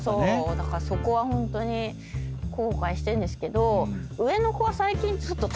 だからそこはホントに後悔してるんですけど。